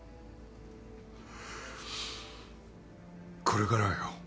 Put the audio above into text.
これからはよ